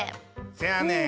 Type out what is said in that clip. せやねん。